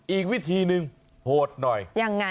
อีกวิธีหนึ่งโหดหน่อยยังไง